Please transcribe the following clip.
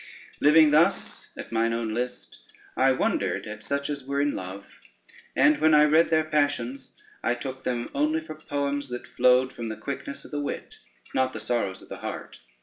Living thus at mine own list, I wondered at such as were in love, and when I read their passions, I took them only for poems that flowed from the quickness of the wit, not the sorrows of the heart.